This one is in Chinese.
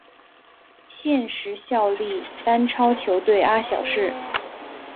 现时效力丹超球队阿晓士。